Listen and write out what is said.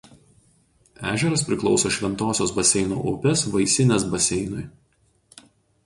Ežeras priklauso Šventosios baseino upės Vaisinės baseinui.